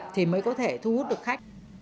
thì mới có thể thu hút được khách